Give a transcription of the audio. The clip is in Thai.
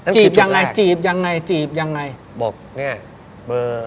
จีบยังไงจีบยังไงจีบยังไงจีบยังไงจีบยังไงจีบยังไงจีบยังไง